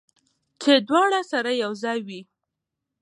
چې دواړه سره یو ځای وي